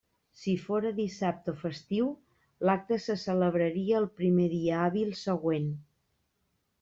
Si fóra dissabte o festiu, l'acte se celebraria el primer dia hàbil següent.